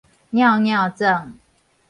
蟯蟯鑽